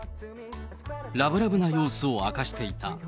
ラブラブな様子を明かしていた。